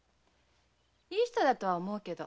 いい人だとは思うけど。